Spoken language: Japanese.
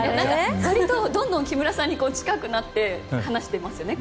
わりとどんどん木村さんと近くなって話してますよね。